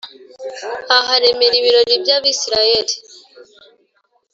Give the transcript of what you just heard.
aharemera ibirori by’Abisirayeli